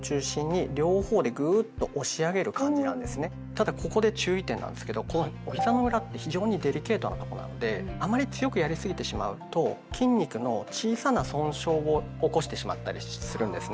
ただここで注意点なんですけどひざの裏って非常にデリケートなとこなのであまり強くやりすぎてしまうと筋肉の小さな損傷を起こしてしまったりするんですね。